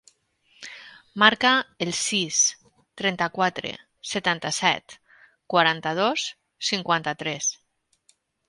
Marca el sis, trenta-quatre, setanta-set, quaranta-dos, cinquanta-tres.